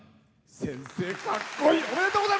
先生、かっこいい！